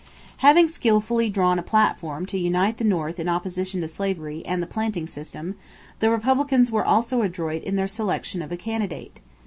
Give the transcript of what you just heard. Having skillfully drawn a platform to unite the North in opposition to slavery and the planting system, the Republicans were also adroit in their selection of a candidate.